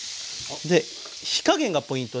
で火加減がポイントです。